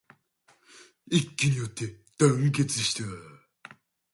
一揆によって団結した